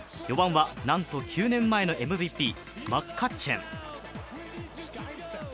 ４番はなんと９年前のＭＶＰ・マカッチェン。